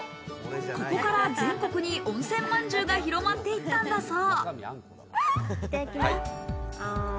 ここから全国に温泉まんじゅうが広まっていったんだそう。